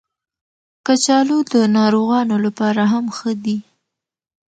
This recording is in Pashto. کچالو د ناروغانو لپاره هم ښه دي